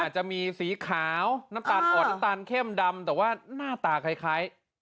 จะมีสีขาวน้ำตาลอ่อนน้ำตาลเข้มดำแต่ว่าหน้าตาคล้าย